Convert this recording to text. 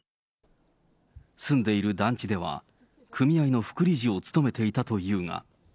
住んでいる団地では、組合の副理事を務めていたというが。